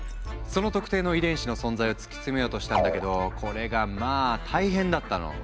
その特定の遺伝子の存在を突き詰めようとしたんだけどこれがまあ大変だったの。